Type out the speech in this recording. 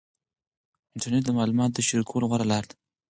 انټرنیټ د معلوماتو د شریکولو غوره لار ده.